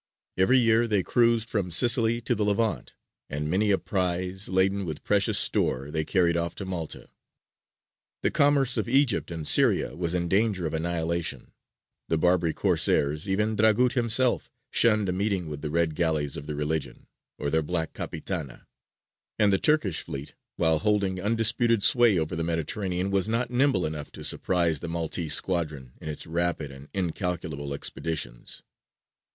Every year they cruised from Sicily to the Levant, and many a prize laden with precious store they carried off to Malta. The commerce of Egypt and Syria was in danger of annihilation; the Barbary Corsairs, even Dragut himself, shunned a meeting with the red galleys of "the Religion," or their black capitana; and the Turkish fleet, while holding undisputed sway over the Mediterranean, was not nimble enough to surprise the Maltese squadron in its rapid and incalculable expeditions.